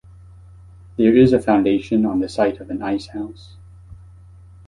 There is a foundation on the site of an ice house.